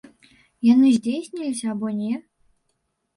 Яны здзейсніліся або не?